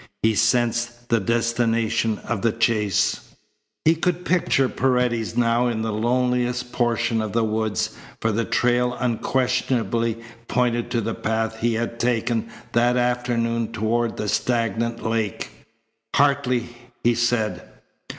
He sensed the destination of the chase. He could picture Paredes now in the loneliest portion of the woods, for the trail unquestionably pointed to the path he had taken that afternoon toward the stagnant lake. "Hartley!" he said.